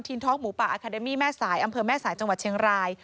ท้องหมูป่าอาคาเดมี่แม่สายอำเภอแม่สายจังหวัดเชียงราย